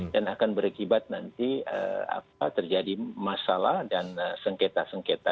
dan akan berkibat nanti terjadi masalah dan sengketa sengketa